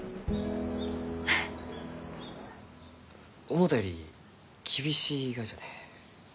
思うたより厳しいがじゃねえ。